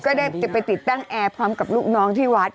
ก็ได้จะไปติดตั้งแอร์พร้อมกับลูกน้องที่วัด